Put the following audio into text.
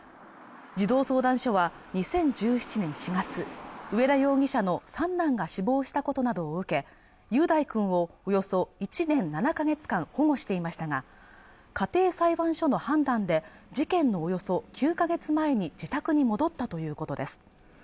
児童相談所は２０１７年４月上田容疑者の三男が死亡したことなどを受け雄大くんをおよそ１年７か月間保護していましたが家庭裁判所の判断で事件のおよそ９か月前に自宅に戻ったということです